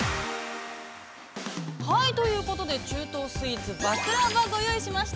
◆はい、ということで中東スイーツ、バクラヴァご用意しました。